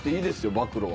暴露は。